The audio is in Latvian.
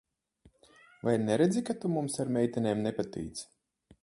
Vai neredzi, ka tu mums ar meitenēm nepatīc?